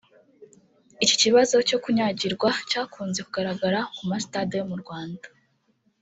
Iki kibazo cyo kunyagirwa cyakunze kugaragara ku ma stade yo mu Rwanda